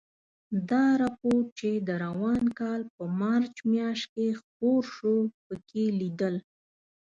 دا رپوټ چې د روان کال په مارچ میاشت کې خپور شو، پکې لیدل